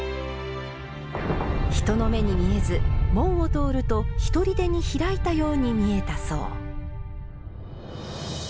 人の目に見えず、門を通るとひとりでに開いたように見えたそう。